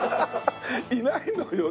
いないのよ